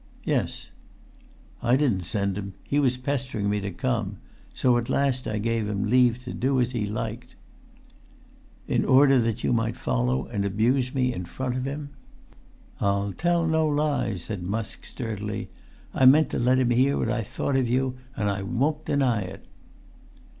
"Yes." "I didn't send him. He was pestering me to come. So at last I gave him leave to do as he liked." "In order that you might follow and abuse me in front of him!" "I'll tell no lies," said Musk, sturdily. "I meant to let him hear what I thought of you, and I won't deny it."